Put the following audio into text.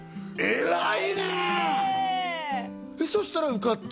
偉いねそしたら受かって？